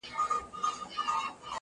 چي پخپله چا تغییر نه وي منلی!!..